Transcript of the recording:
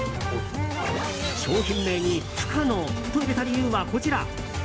商品名に「不可能」と入れた理由はこちら。